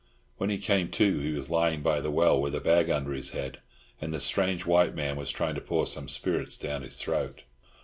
When he came to, he was lying by the well with a bag under his head, and the strange white man was trying to pour some spirits down his throat.